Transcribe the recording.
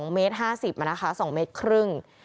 ๒เมตร๕๐นะคะ๒เมตรครึ่ง